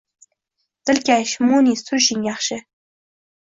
Dilkash, munis turishing yaxshi.